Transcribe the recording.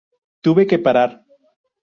Tuve que parar.